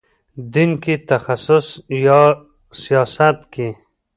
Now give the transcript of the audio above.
دین کې تخصص یا سیاست کې.